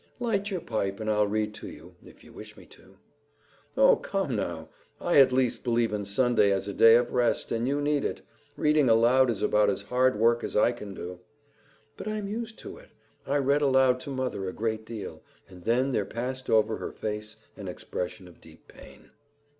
"Light your pipe and I'll read to you, if you wish me to." "Oh, come now! I at least believe in Sunday as a day of rest, and you need it. Reading aloud is about as hard work as I can do." "But I'm used to it. I read aloud to mother a great deal," and then there passed over her face an expression of deep pain.